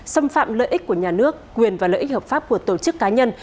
xâm phạm lợi ích của nhà nước quyền và lợi ích hợp pháp của tổ chức cá nhân